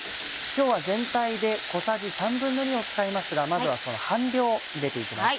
今日は全体で小さじ２／３を使いますがまずはその半量を入れて行きます。